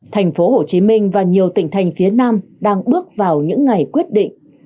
thành phố hồ chí minh và nhiều tỉnh thành phía nam đang bước vào những ngày quyết định